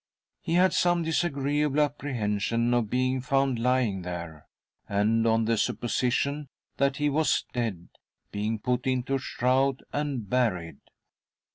He had some disagreeable apprehension of being found lying there, and, on the supposition that he was dead, being put into a shroud and buried.